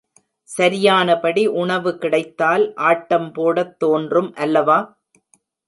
சரியானபடி உணவு கிடைத்தால் ஆட்டம் போடத் தோன்றும் அல்லவா?